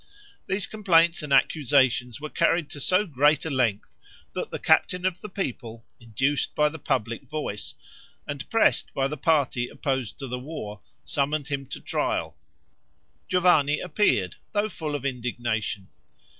These complaints and accusations were carried to so great a length that the captain of the people, induced by the public voice, and pressed by the party opposed to the war, summoned him to trial. Giovanni appeared, though full of indignation.